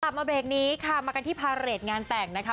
มาเบรกนี้ค่ะมากันที่พาเรทงานแต่งนะคะ